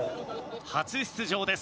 初出場です。